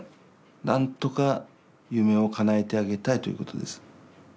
なんとか夢をかなえてあげたいということです。